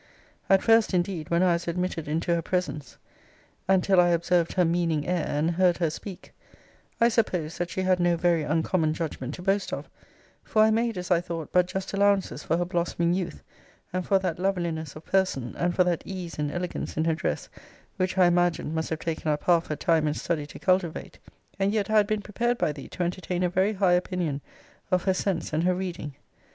At first, indeed, when I was admitted into her presence,* (and till I observed her meaning air, and heard her speak,) I supposed that she had no very uncommon judgment to boast of: for I made, as I thought, but just allowances for her blossoming youth, and for that loveliness of person, and for that ease and elegance in her dress, which I imagined must have taken up half her time and study to cultivate; and yet I had been prepared by thee to entertain a very high opinion of her sense and her reading.